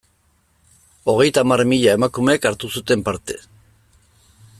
Hogeita hamar mila emakumek hartu zuten parte.